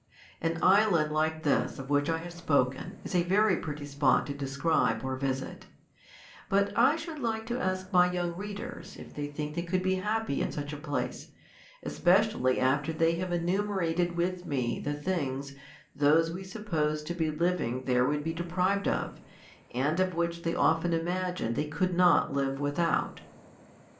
An island like this of which I have spoken is a very pretty spot to describe or visit; but I should like to ask my young readers if they think they could be happy in such a place, especially after they have enumerated with me the things, those we suppose to be living there would be deprived of, and which they often imagine they could not live without.